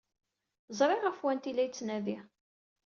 Ẓriɣ ɣef wanta ay la yettnadi.